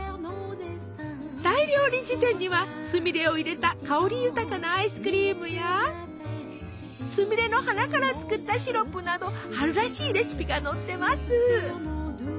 「大料理事典」にはすみれを入れた香り豊かなアイスクリームやすみれの花から作ったシロップなど春らしいレシピが載ってます！